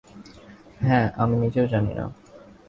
হ্যাঁ, আমিও জানি না।